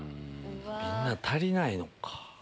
みんな足りないのか？